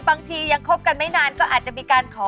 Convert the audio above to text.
บางทียังคบกันไม่นานก็อาจจะมีการขอ